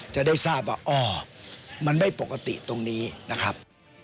จะได้ทราบว่าอ๋อมันไม่ปกติตรงนี้นะครับ